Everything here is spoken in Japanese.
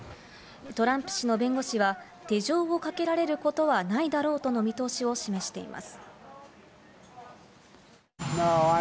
トランプ氏の弁護士は手錠をかけられることはないだろうとの見通しを示しています。